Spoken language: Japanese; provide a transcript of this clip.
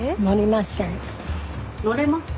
乗れますか？